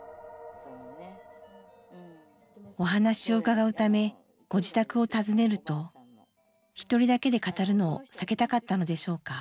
お話を伺うためご自宅を訪ねると一人だけで語るのを避けたかったのでしょうか